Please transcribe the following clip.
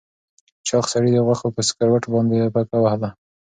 چاغ سړي د غوښو په سکروټو باندې پکه وهله.